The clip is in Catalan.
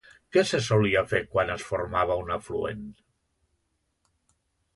Què se solia fer quan es formava un afluent?